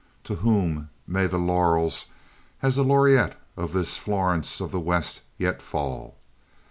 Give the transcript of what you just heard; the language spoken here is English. To whom may the laurels as laureate of this Florence of the West yet fall?